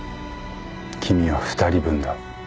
君は２人分だ。